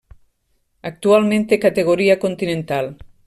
Actualment té categoria continental.